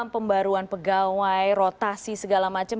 pembaruan pegawai rotasi segala macam